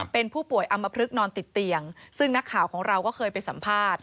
เป็นผู้ป่วยอำมพลึกนอนติดเตียงซึ่งนักข่าวของเราก็เคยไปสัมภาษณ์